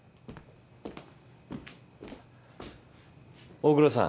大黒さん